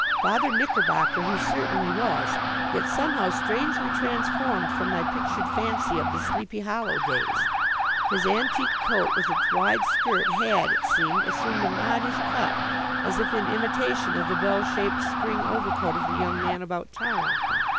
Father Knickerbocker he certainly was, yet somehow strangely transformed from my pictured fancy of the Sleepy Hollow days. His antique coat with its wide skirt had, it seemed, assumed a modish cut as if in imitation of the bell shaped spring overcoat of the young man about town.